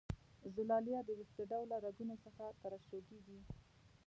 زلالیه د وېښته ډوله رګونو څخه ترشح کیږي.